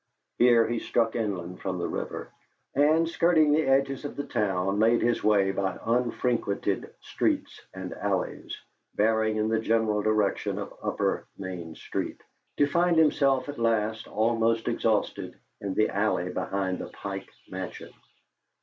Here he struck inland from the river, and, skirting the edges of the town, made his way by unfrequented streets and alleys, bearing in the general direction of upper Main Street, to find himself at last, almost exhausted, in the alley behind the Pike Mansion.